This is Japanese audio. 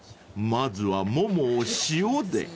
［まずはももを塩で］